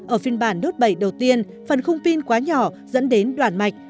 ở phiên bản note bảy đầu tiên phần khung pin quá nhỏ dẫn đến đoạn mạch